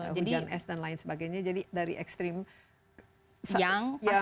hujan es dan lain sebagainya jadi dari ekstrim yang polar ya